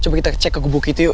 coba kita cek ke gubuk itu yuk